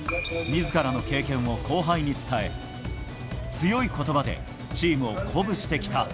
みずからの経験を後輩に伝え、強いことばでチームを鼓舞してきた。